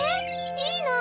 いいの？